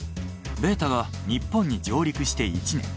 ベータは日本に上陸して１年。